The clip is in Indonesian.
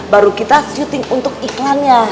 baru kita syuting untuk iklannya